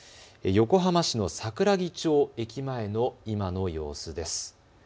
横浜市の桜木町駅前の今の様子です。